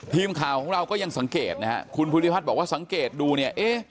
ทีมข่าวของเราก็ยังสังเกตนะฮะคุณภูริพัฒน์บอกว่าสังเกตดูเนี่ยเอ๊ะ